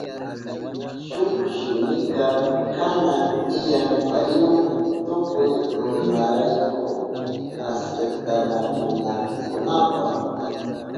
Shuk shimika kanan tiyan parihu tukuy runarayku asirtanakunankunapa.